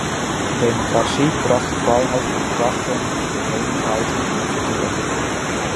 Democratie bracht de vrijheid van gedachte, meningsuiting en verkeer.